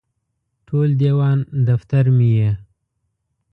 ټول دیوان دفتر مې یې